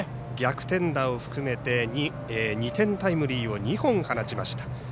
逆転打を含めて２点タイムリーを２本放ちました。